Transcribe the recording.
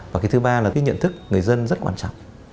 và cái thứ ba là cái nhận thức người dân rất quan trọng